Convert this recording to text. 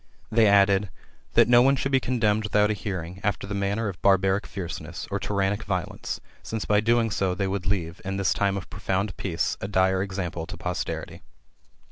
They added, " That no one should be condemned without a hearing, after the manner of Barbaric fierceness, or tyrannic riolence, since by so doing, they would leave, in this time of profound peace, a dire example to posterity."